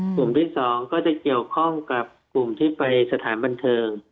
กลุ่มที่๒ก็จะเกี่ยวข้องกับกลุ่มที่ไปสถานบันเทิง